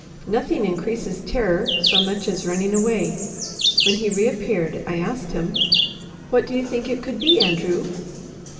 Nothing increases terror so much as running away. When he reappeared, I asked him: "What do you think it could be, Andrew?"